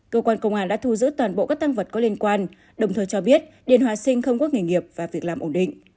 cơ quan công an đã thu giữ toàn bộ các tăng vật có liên quan đồng thời cho biết điền hòa sinh không có nghề nghiệp và việc làm ổn định